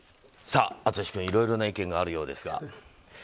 さあ、淳君いろいろな意見があるようですが。